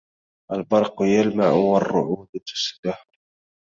البرق يلمع والرعود تسبح